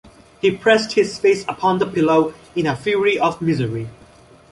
He pressed his face upon the pillow in a fury of misery.